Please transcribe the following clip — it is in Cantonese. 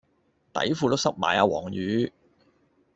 底褲都濕埋啊黃雨